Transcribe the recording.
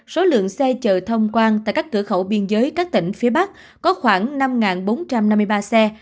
số lượng xe chở thông quan tại các cửa khẩu biên giới các tỉnh phía bắc có khoảng năm bốn trăm năm mươi ba xe